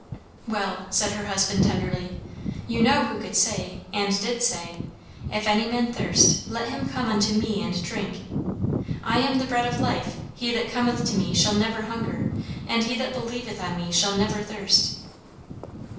"Well," said her husband tenderly, "you know who could say, and did say, 'If any man thirst, let him come unto ME and drink.' 'I am the bread of life; he that cometh to me shall never hunger, and he that believeth on me shall never thirst.'"